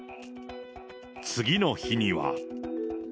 次の日には。